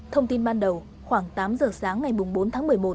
thông tin ban đầu khoảng tám giờ sáng ngày bốn tháng một mươi một